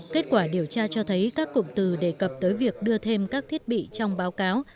kết quả điều tra cho thấy các cụm từ đề cập tới việc đưa thêm các thiết bị trong báo cáo